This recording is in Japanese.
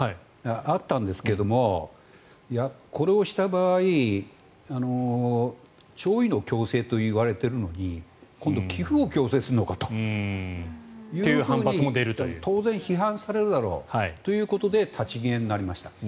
あったんですけれどもこれをした場合弔意の強制といわれているのに今度は寄付を強制するのかというふうに当然批判されるということで立ち消えになりました。